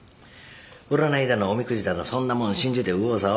占いだのおみくじだのそんなもん信じて右往左往。